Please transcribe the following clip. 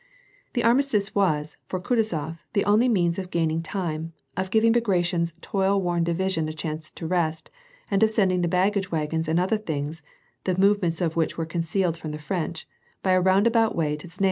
The armistice was, for Kutuzof, the only means of gaining time, of giving Bagration's toil worn division .a chance to rest, and of sending the baggage wagons and other things (the move ments of which were concealed from the French), by a roundar bout way to Znaim.